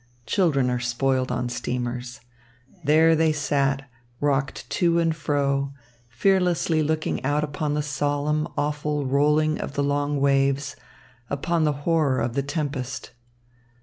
Children are spoiled on steamers. There they sat, rocked to and fro, fearlessly looking out upon the solemn, awful rolling of the long waves, upon the horror of the tempest.